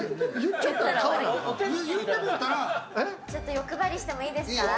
欲張りしてもいいですか？